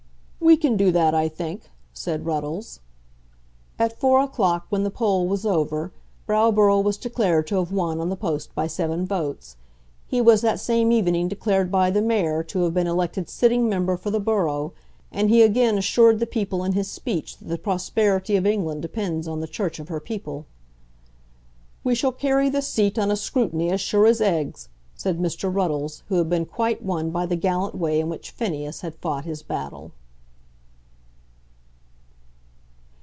"We can do that, I think," said Ruddles. At four o'clock, when the poll was over, Browborough was declared to have won on the post by seven votes. He was that same evening declared by the Mayor to have been elected sitting member for the borough, and he again assured the people in his speech that the prosperity of England depends on the Church of her people. "We shall carry the seat on a scrutiny as sure as eggs," said Mr. Ruddles, who had been quite won by the gallant way in which Phineas had fought his battle.